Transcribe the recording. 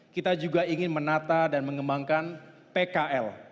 kita juga ingin menata dan mengembangkan pkl